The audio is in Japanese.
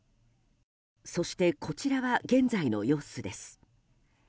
そしてこちらは現在の様子です。